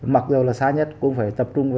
mặc dù là xa nhất cũng phải tập trung